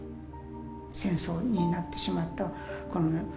戦争になってしまった社会